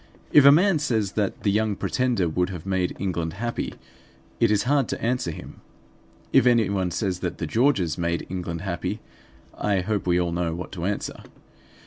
If a man says that the Young Pretender would have made England happy, it is hard to answer him. If anyone says that the Georges made England happy, I hope we all know what to answer.